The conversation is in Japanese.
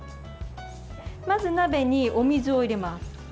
まず鍋にお水を入れます。